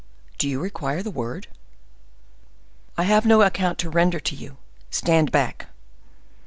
"Do you require the word?" "I have no account to render to you. Stand back!"